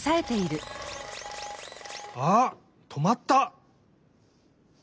あっとまった！